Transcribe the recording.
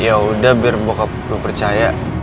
yaudah biar bokap gue percaya